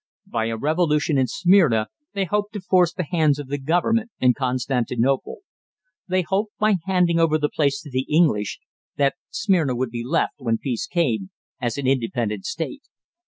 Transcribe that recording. By a revolution in Smyrna they hoped to force the hands of the Government in Constantinople. They hoped, by handing over the place to the English, that Smyrna would be left, when peace came, as an independent state.